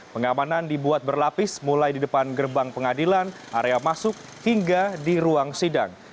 pengamanan dibuat berlapis mulai di depan gerbang pengadilan area masuk hingga di ruang sidang